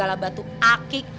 jadilah batu akik